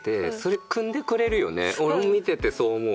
俺も見ててそう思う。